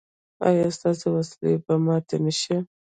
ایا ستاسو وسلې به ماتې نه شي؟